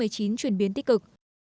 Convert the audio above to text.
chuyển biến tích cực